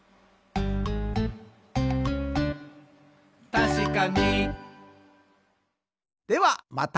「たしかに！」ではまた！